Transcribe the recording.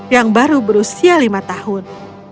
yang baru berusia lima tahun